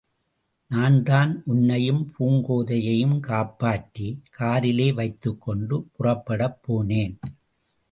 நான்தான் உன்னையும் பூங்கோதையையும் காப்பாற்றி, காரிலே வைத்துக் கொண்டு புறப்படப் போனேன்.